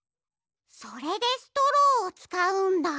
それでストローをつかうんだ。